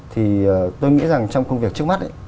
thì tôi nghĩ rằng trong công việc trước mắt